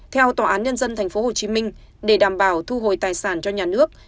theo tòa án nhân dân tp hcm để đảm bảo thu hồi tài sản cho nhà nước